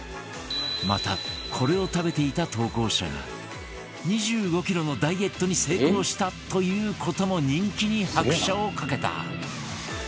またこれを食べていた投稿者が２５キロのダイエットに成功したという事も人気に拍車をかけた